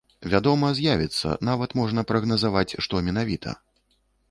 Вядома, з'явіцца, нават можна прагназаваць, што менавіта.